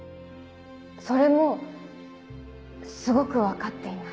それもすごく分かっています。